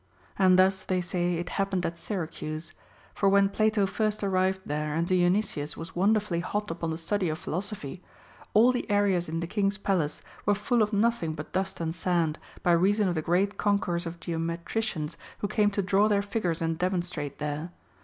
And thus, they say, it happened at Syracuse ; for when Plato first arrived there and Dionysius was wonderfully hot upon the study of philosophy, all the areas in the king's palace were full of nothing but dust and sand, by reason of the great concourse of geometricians who came to draw their figures and demonstrate there.